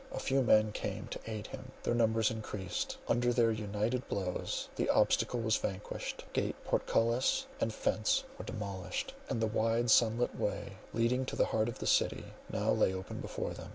A few men came to aid him; their numbers increased; under their united blows the obstacle was vanquished, gate, portcullis, and fence were demolished; and the wide sun lit way, leading to the heart of the city, now lay open before them.